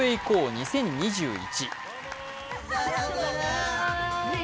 ２０２１」